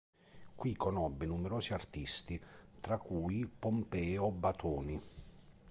Qui conobbe numerosi artisti, tra cui Pompeo Batoni.